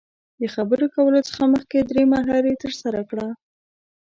د خبرو کولو څخه مخکې درې مرحلې ترسره کړه.